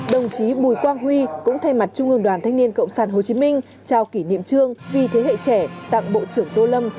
đồng chí bùi quang huy cũng thay mặt trung ương đoàn thanh niên cộng sản hồ chí minh trao kỷ niệm trương vì thế hệ trẻ tặng bộ trưởng tô lâm